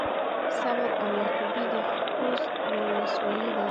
صبري او يعقوبي د خوست يوۀ ولسوالي ده.